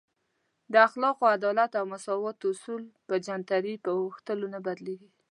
د اخلاقو، عدالت او مساوات اصول په جنترۍ په اوښتلو نه بدلیږي.